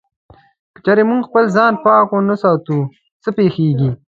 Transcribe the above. که چېرې موږ خپل ځان پاک و نه ساتو، څه پېښيږي؟